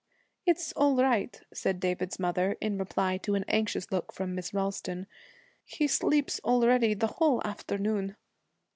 'It's all right,' said David's mother, in reply to an anxious look from Miss Ralston. 'He sleeps already the whole afternoon.'